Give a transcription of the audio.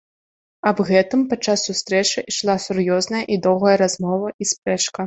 Аб гэтым падчас сустрэчы ішла сур'ёзная і доўгая размова і спрэчка.